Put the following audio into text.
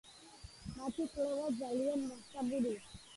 მათი კვლევა ძალიან მასშტაბურია.